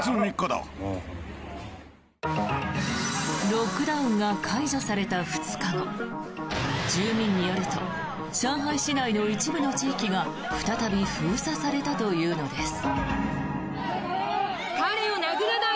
ロックダウンが解除された２日後住民によると上海市内の一部の地域が再び封鎖されたというのです。